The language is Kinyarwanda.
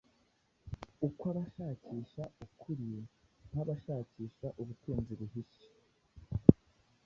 ukw’abashakisha ukuri nk’abashaka ubutunzi buhishe.